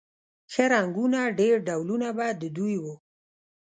ښه رنګونه ډېر ډولونه به د دوی و